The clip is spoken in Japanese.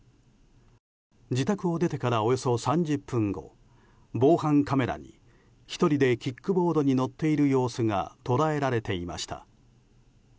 自宅を出てから、およそ３０分後防犯カメラに１人でキックボードに乗っている様子が捉えられていました。